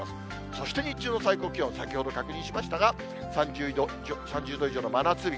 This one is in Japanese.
そして日中の最高気温、先ほど確認しましたが、３０度以上の真夏日。